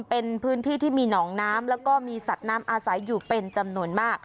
เป็นพื้นที่ที่มีหนองน้ำแล้วก็มีสัตว์น้ำอาศัยอยู่เป็นจำนวนมาก